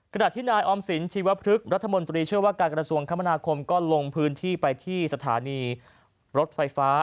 ขณะที่นายออมสินชีวพฤกษ์รัฐมนตรีเชื่อว่าการกระทรวงคมนาคมก็ลงพื้นที่ไปที่สถานีรถไฟฟ้า